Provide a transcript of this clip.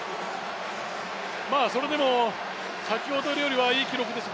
それでも先ほどよりはいい記録です。